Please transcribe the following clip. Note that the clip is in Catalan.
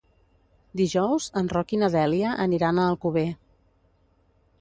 Dijous en Roc i na Dèlia aniran a Alcover.